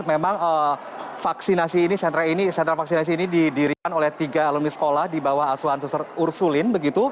memang sentra vaksinasi ini didirikan oleh tiga alumni sekolah di bawah asuhan ursulin